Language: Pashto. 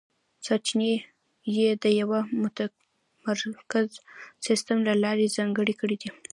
سرچینې یې د یوه متمرکز سیستم له لارې ځانګړې کړې.